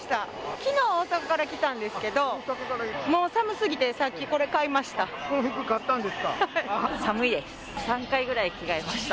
きのう大阪から来たんですけど、もう寒すぎて、さっきこれ、買いました。